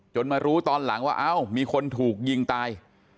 มารู้ตอนหลังว่าเอ้ามีคนถูกยิงตาย